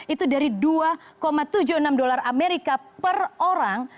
itu dari dua tujuh puluh enam dolar amerika per orang